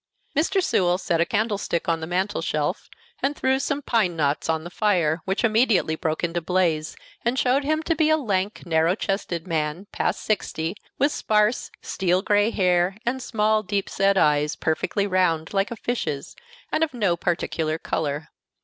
Mr. Sewell set the candlestick on the mantel shelf, and threw some pine knots on the fire, which immediately broke into a blaze, and showed him to be a lank, narrow chested man, past sixty, with sparse, steel gray hair, and small, deep set eyes, perfectly round, like a fish's, and of no particular color.